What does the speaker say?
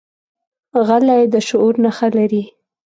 غلی، د شعور نښه لري.